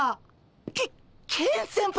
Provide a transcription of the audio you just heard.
ケケン先輩？